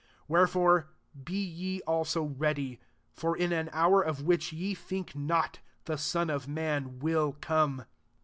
44 Where fore, be ye also ready ; for in an hour of which ye think not, the Son of man will come.